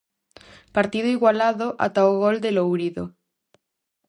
Partido igualado ata o gol de Lourido.